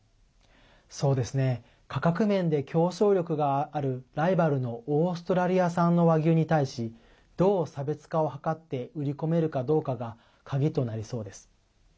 価格面で競争力があるライバルのオーストラリア産の和牛に対しどう差別化を図って売り込めるかどうかが鍵となりそうです。